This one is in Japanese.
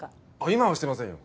今はしてませんよ。